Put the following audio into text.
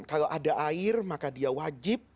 kalau ada air maka dia wajib